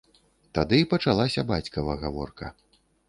Тады пачалася бацькава гаворка.